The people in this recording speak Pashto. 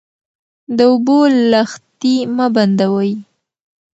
د اوبو لښتې مه بندوئ.